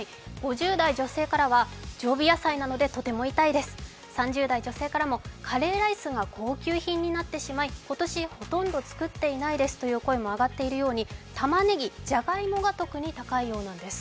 ５０代女性からは常備野菜なのでとても痛いです、３０代女性からもカレーライスが高級品になってしまい今年ほとんど作っていないですという声も上がっているように、たまねぎ、じゃがいもが特に高いようなんです。